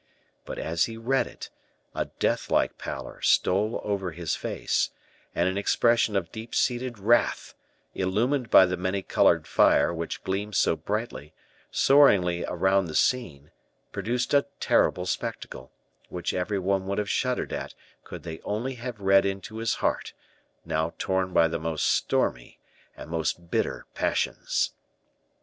But as he read it, a death like pallor stole over his face, and an expression of deep seated wrath, illumined by the many colored fire which gleamed so brightly, soaringly around the scene, produced a terrible spectacle, which every one would have shuddered at, could they only have read into his heart, now torn by the most stormy and most bitter passions.